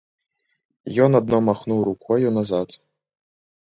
Ён адно махнуў рукою назад.